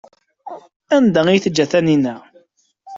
Anda ay t-teǧǧa Taninna?